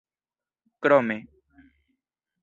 krome